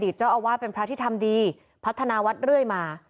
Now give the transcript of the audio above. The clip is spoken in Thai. เจ้าอาวาสเป็นพระที่ทำดีพัฒนาวัดเรื่อยมา